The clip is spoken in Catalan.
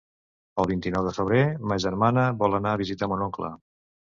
El vint-i-nou de febrer ma germana vol anar a visitar mon oncle.